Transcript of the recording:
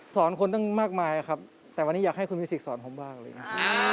สอนคนตั้งมากมายครับแต่วันนี้อยากให้คุณวิสิกสอนผมบ้างเลยครับ